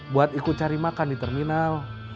buat ikut cari makan di terminal